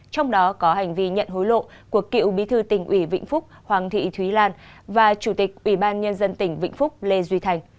trong đó có hành vi nhận hối lộ của cựu bí thư tỉnh ủy vĩnh phúc hoàng thị thúy lan và chủ tịch ủy ban nhân dân tỉnh vĩnh phúc lê duy thành